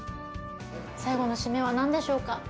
最後のシメは何でしょうか？